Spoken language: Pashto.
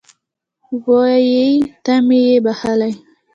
وایي ته مې یې بښلی